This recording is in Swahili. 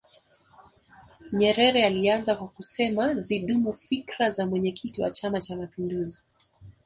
nyerere alianza kwa kusema zidumu fikra za mwenyekiti wa chama cha mapinduzi